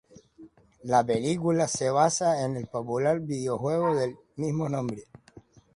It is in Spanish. La película se basa en el popular videojuego del mismo nombre.